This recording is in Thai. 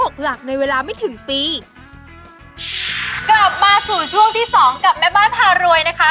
กลับมาสู่ช่วงที่สองกับแม่บ้านพารวยนะคะ